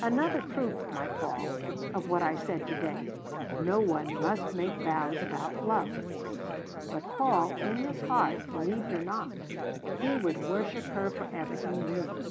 "Another proof, my Paul, of what I said today no one must make vows about love." But Paul, in his heart, believed her not. He would worship her for ever, he knew.